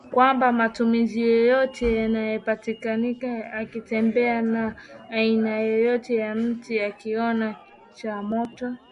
kwamba Mmatumbi yeyote anayepatikana akitembea na aina yoyote ya mti atakiona cha moto